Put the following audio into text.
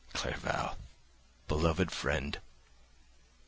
Clerval! Beloved friend!